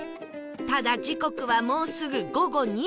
ただ時刻はもうすぐ午後２時